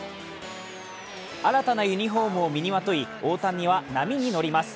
新たなユニフォームを身にまとい大谷は波に乗ります。